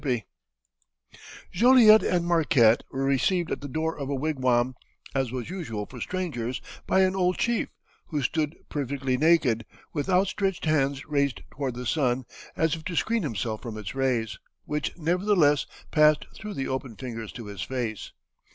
] Joliet and Marquette were received at the door of a wigwam, as was usual for strangers, by an old chief, who stood perfectly naked, with outstretched hands raised toward the sun, as if to screen himself from its rays, which nevertheless passed through the open fingers to his face.